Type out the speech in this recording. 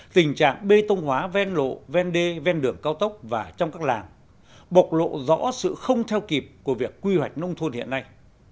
tình trạng bê tông hóa ven lộ ven đê ven đường cao tốc và trong các làng bộc lộ rõ sự không theo kịp của việc quy hoạch nông thôn hiện nay